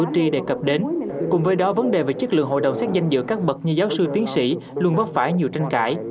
tỷ lệ này ở các nước còn lại là từ hai đến bốn